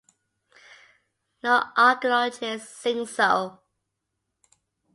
No archaeologist thinks so.